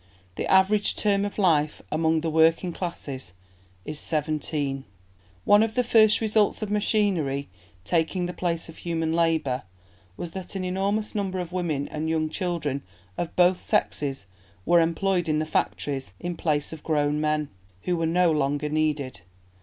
The average term of life among the working classes is seventeen." One of the first results of machinery taking the place of human labour was that an enormous number of women and young children of both sexes were employed in the factories in place of grown men, who were no longer needed.